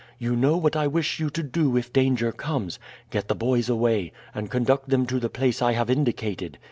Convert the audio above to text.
You know what I wish you to do if danger comes get the boys away, and conduct them to the place I have indicated.